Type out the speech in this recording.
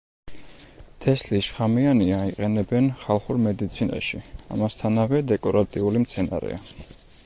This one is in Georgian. თესლი შხამიანია, იყენებენ ხალხურ მედიცინაში, ამასთანავე დეკორატიული მცენარეა.